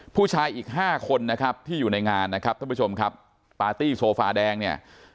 ผู้ชายอีกห้าคนนะครับที่อยู่ในงานนะครับท่านผู้ชมครับปาร์ตี้โซฟาแดงเนี่ย